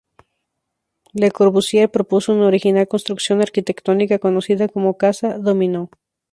Le Corbusier, propuso una original construcción arquitectónica conocida como casa Dom-inó.